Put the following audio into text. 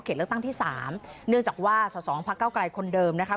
เลือกตั้งที่สามเนื่องจากว่าส่อสองพักเก้าไกลคนเดิมนะคะ